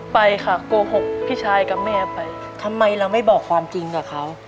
ไปค่ะโกหกพี่ชายกับแม่ไปทำไมเราไม่บอกความจริงกับเขา